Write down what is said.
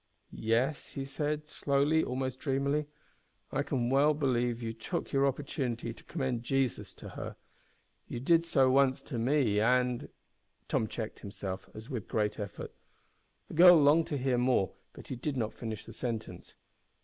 "Yes," he said, slowly, almost dreamily, "I can well believe you took your opportunity to commend Jesus to her. You did so once to me, and " Tom checked himself, as if with a great effort. The girl longed to hear more, but he did not finish the sentence.